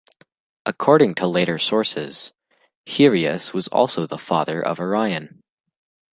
According to later sources, Hyrieus was also the father of Orion.